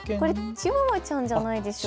チワワちゃんじゃないですか。